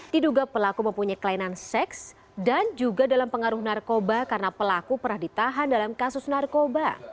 diduga pelaku mempunyai kelainan seks dan juga dalam pengaruh narkoba karena pelaku pernah ditahan dalam kasus narkoba